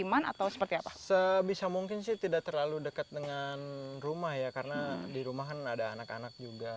sebisa mungkin sih tidak terlalu dekat dengan rumah ya karena di rumah kan ada anak anak juga